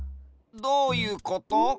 どういうこと？